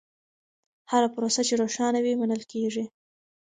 هره پروسه چې روښانه وي، منل کېږي.